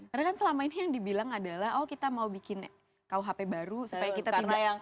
karena kan selama ini yang dibilang adalah oh kita mau bikin kuhp baru supaya kita tidak